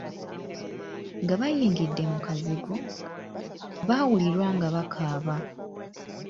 Nga bayingidde mu kazigo, baawulirwa nga bakaaba.